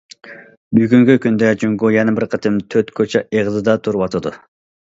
بۈگۈنكى كۈندە، جۇڭگو يەنە بىر قېتىم تۆت كوچا ئېغىزىدا تۇرۇۋاتىدۇ.